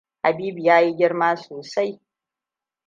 Habibu yayi girma sosai.